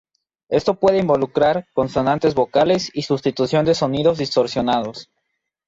Esto puede involucrar consonantes, vocales y sustitución de sonidos distorsionados.